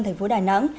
thành phố đà nẵng